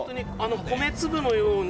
米粒のように。